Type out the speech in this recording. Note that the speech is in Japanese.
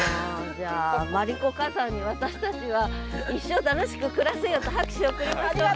じゃあマリコカザンに私たちは一生楽しく暮らせよと拍手をおくりましょう。